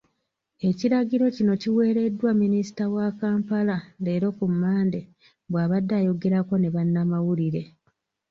Ekiragiro kino kiweereddwa Minisita wa Kampala, leero ku Mmande, bw'abadde ayogerako ne bannamawulire.